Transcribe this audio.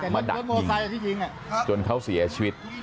มาดัดยิงจนเขาเสียชีวิต